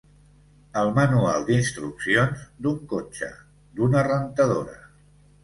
El manual d'instruccions d'un cotxe, d'una rentadora.